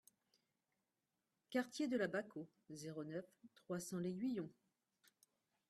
Quartier de la Baquo, zéro neuf, trois cents L'Aiguillon